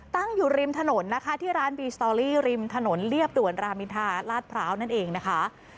ตั้งอยู่ริมถนนนะคะที่ร้านบีสตอรี่ริมถนนเรียบด่วนรามินทาลาดพร้าวนั่นเองนะคะ